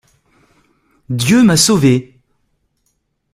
Dieu m'a sauvée!